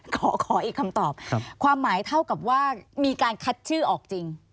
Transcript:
ขออีกคำตอบความหมายเท่ากับว่ามีการคัดชื่อออกจริง